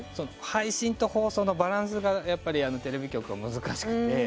配信と放送のバランスがやっぱりテレビ局は難しくて。